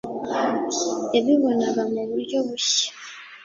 Yabibonaga mu buryo bushya.